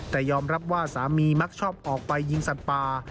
แต่ยอมรับว่าสามีมักชอบออกไปยิงสัตว์ป่า